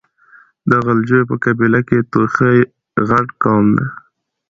د غلجيو په قبيله کې توخي غټ قوم ده.